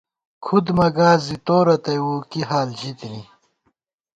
کھُد مہ گاس زی تو رتئ ووئی کی حال ژِتِنی